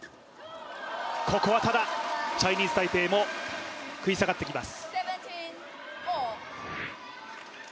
ここはただチャイニーズ・タイペイも食い下がってきます。